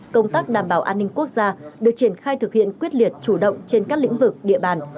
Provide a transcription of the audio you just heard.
công tác đảm bảo an ninh quốc gia được triển khai thực hiện quyết liệt chủ động trên các lĩnh vực địa bàn